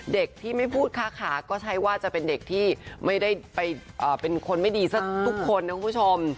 เด็กที่ไม่พูดค้าขาก็ใช้ว่าจะเป็นเด็กที่ไม่ได้ไปเป็นคนไม่ดีสักทุกคนนะคุณผู้ชม